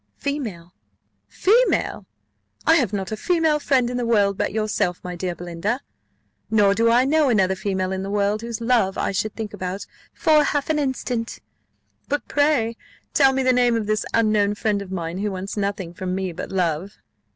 "Female." "Female? I have not a female friend in the world but yourself, my dear Belinda; nor do I know another female in the world, whose love I should think about for half an instant. But pray tell me the name of this unknown friend of mine, who wants nothing from me but love."